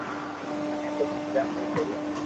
مني تو ھمجاو تو سھي